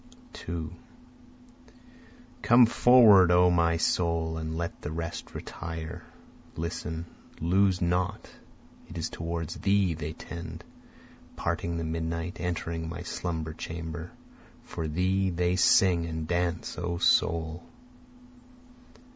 2 Come forward O my soul, and let the rest retire, Listen, lose not, it is toward thee they tend, Parting the midnight, entering my slumber chamber, For thee they sing and dance O soul.